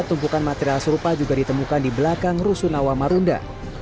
tumpukan material serupa juga ditemukan di belakang rusunawa marunda